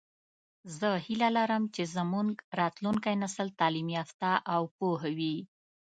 زه هیله لرم چې زمونږ راتلونکی نسل تعلیم یافته او پوهه وي